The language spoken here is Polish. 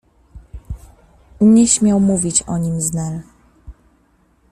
Nie śmiał mówić o nim z Nel.